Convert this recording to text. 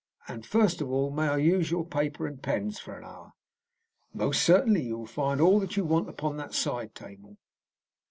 And first of all, may I use your paper and pens for an hour?" "Most certainly. You will find all that you want upon that side table."